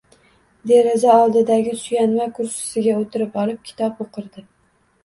Deraza oldidagi suyanma kursisiga oʻtirib olib, kitob oʻqirdi…